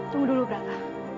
tunggu dulu branka